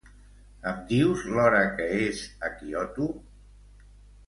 Em dius l'hora que és a Kyoto?